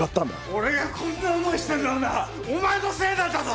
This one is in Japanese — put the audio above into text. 俺がこんな思いをしてるのはなお前のせいなんだぞ！